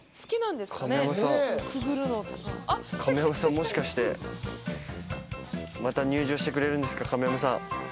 もしかしてまた入場してくれるんですか亀山さん。